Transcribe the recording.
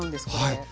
はい。